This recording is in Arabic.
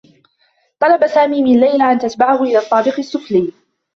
طلب سامي من ليلى أن تتبعه إلى الطّابق السّفلي.